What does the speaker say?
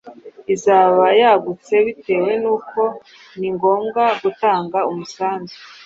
izaba yagutse bitewe n’uko ni ngombwa gutanga umusanzu